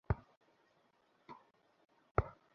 সড়, বসতে দে।